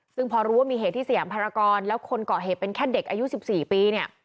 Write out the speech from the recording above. ซึ่งพอรู้ว่ามีเหตุที่เสี่ยงภารกรณ์แล้วคนเกาะเหตุเป็นแค่เด็กอายุ๑๔ปี